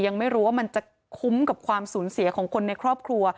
ยังไม่รู้ว่ามันจะคุ้มกับความสูญเสียของคนในครอบครัว